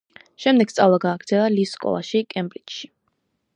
შემდეგ სწავლა გააგრძელა ლის სკოლაში, კემბრიჯში.